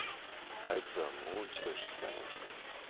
あいつはもう一度引き金を引く。